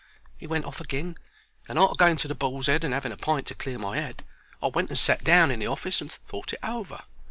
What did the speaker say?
He went off agin, and, arter going to the Bull's Head and 'aving a pint to clear my 'ead, I went and sat down in the office and thought it over.